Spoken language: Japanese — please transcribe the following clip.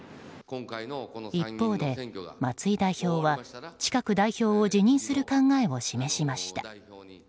一方で松井代表は近く代表を辞任する考えを示しました。